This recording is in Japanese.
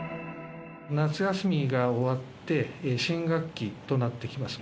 夏休みが終わって、新学期となってきます。